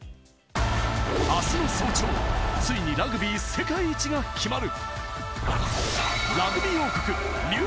あすの早朝、ついにラグビー世界一が決まる。